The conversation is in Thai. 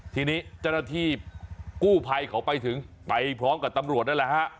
ทีนี้เจ้าหน้าที่กู้ภัยเขาไปถึงไปพร้อมกับตำรวจนั่นแหละฮะ